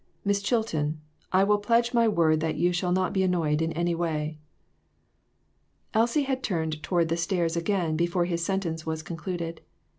Miss Chilton, I will pledge my word that you shall not be annoyed in any way." Elsie had turned toward the stairs again before his sentence was concluded.